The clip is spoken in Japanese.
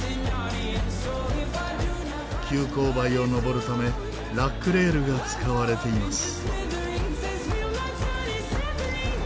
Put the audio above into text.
急勾配を登るためラックレールが使われています。